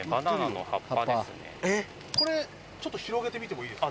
これちょっと広げてみてもいいですか？